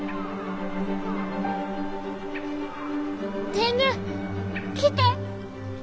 天狗来て！